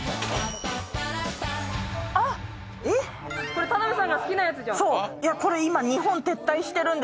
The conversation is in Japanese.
これ、田辺さんが好きなやつじゃん。